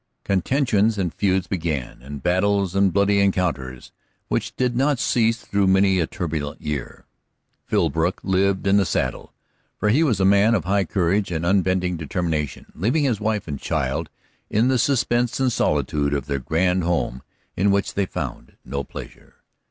Contentions and feuds began, and battles and bloody encounters, which did not cease through many a turbulent year. Philbrook lived in the saddle, for he was a man of high courage and unbending determination, leaving his wife and child in the suspense and solitude of their grand home in which they found no pleasure.